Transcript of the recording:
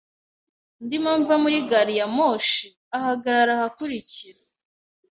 Ndimo mva muri gari ya moshi ahagarara ahakurikira.